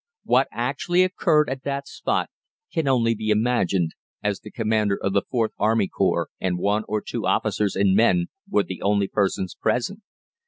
What actually occurred at that spot can only be imagined, as the commander of the IVth Army Corps and one or two officers and men were the only persons present.